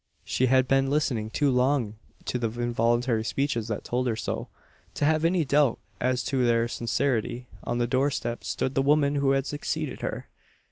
She had been listening too long to the involuntary speeches that told her so, to have any doubt as to their sincerity. On the door step stood the woman who had succeeded her!